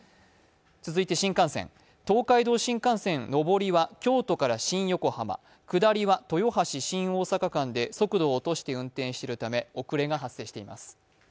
続いて新幹線、東海道新幹線上りは京都から新横浜、下りは豊橋−新大阪間で速度を落として運転しているため遅れが発生しています。